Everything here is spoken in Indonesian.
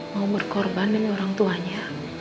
mau berkorban demi orang tuanya